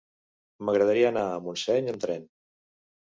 M'agradaria anar a Montseny amb tren.